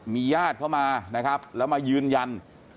มีญาติเข้ามานะครับแล้วมายืนยัน